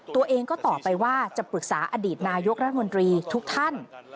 ตัวเองก็ตอบไปว่าจะปรึกษาอดีตนายกรัฐมนตรีทุกท่าน